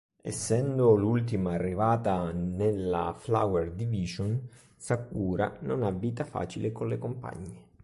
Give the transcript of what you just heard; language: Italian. Essendo l'ultima arrivata nella "Flower Division", Sakura non ha vita facile con le compagne.